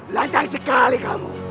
lancang sekali kamu